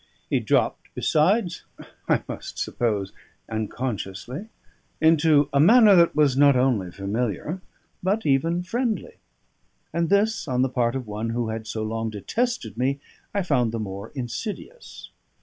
He dropped, besides (I must suppose unconsciously), into a manner that was not only familiar, but even friendly; and this, on the part of one who had so long detested me, I found the more insidious.